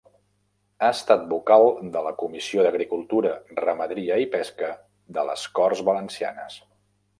Ha estat vocal de la Comissió d'Agricultura, Ramaderia i Pesca de les Corts Valencianes.